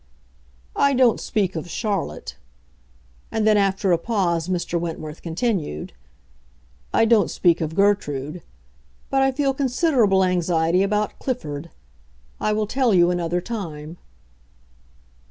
"I don't speak of Charlotte." And then, after a pause, Mr. Wentworth continued, "I don't speak of Gertrude. But I feel considerable anxiety about Clifford. I will tell you another time."